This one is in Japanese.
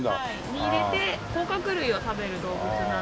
に入れて甲殻類を食べる動物なので。